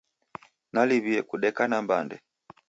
Naliw'ie kudeka na mbande!